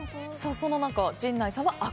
そんな中、陣内さんは赤。